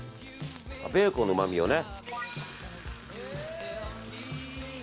ベーコンのうまみをね。